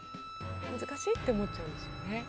難しいって思っちゃうんでしょうね。